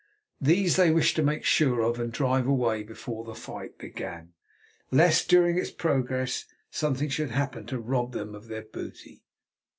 These they wished to make sure of and drive away before the fight began, lest during its progress something should happen to rob them of their booty.